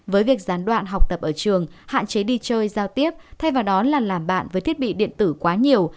với việc gián đoạn học tập ở trường hạn chế đi chơi giao tiếp thay vào đó là làm bạn với thiết bị điện tử quá nhiều